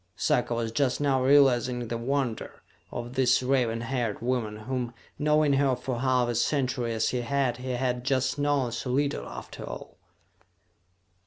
Sarka was just now realizing the wonder of this raven haired woman whom, knowing her for half a century as he had, he had just known so little after all.